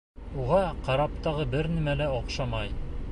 Уға караптағы бер нимә лә оҡшамай.